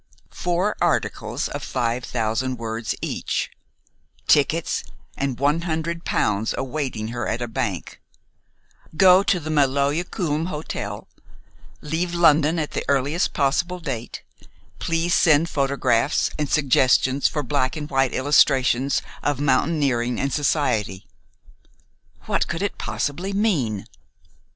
Four articles of five thousand words each, tickets and 100 pounds awaiting her at a bank, go to the Maloja Kulm Hotel; leave London at the earliest possible date; please send photographs and suggestions for black and white illustrations of mountaineering and society! What could it possibly mean?